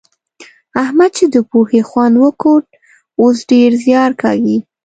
احمد چې د پوهې خوند وکوت؛ اوس ډېر زيار کاږي.